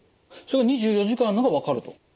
それは２４時間のが分かると。